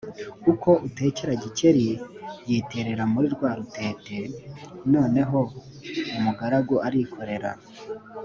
Uko atekera Gikeli yiterera muri rwa rutete. Noneho umugaragu arikorera,